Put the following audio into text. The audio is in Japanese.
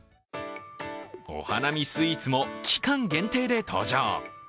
お花見スイーツも期間限定で登場。